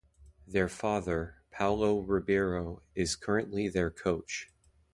Their father Paulo Ribeiro is currently their coach.